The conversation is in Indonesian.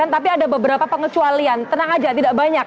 tapi ada beberapa pengecualian tenang aja tidak banyak